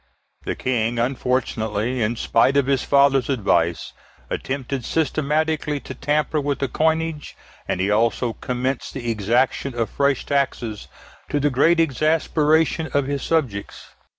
The King unfortunately, in spite of his father's advice, attempted systematically to tamper with the coinage, and he also commenced the exaction of fresh taxes, to the great exasperation of his subjects.